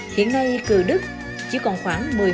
hiện nay cừu đức chỉ còn khoảng một triệu đồng